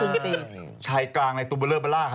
โอลี่คัมรี่ยากที่ใครจะตามทันโอลี่คัมรี่ยากที่ใครจะตามทัน